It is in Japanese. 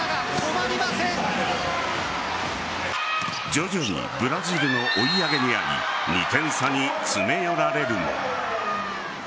徐々にブラジルを追い上げにあい２点差に詰め寄られるも。